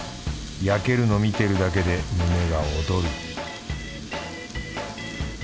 焼けるの見てるだけで胸が躍る